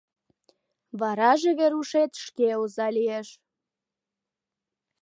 Вараже Верушет шке оза лиеш.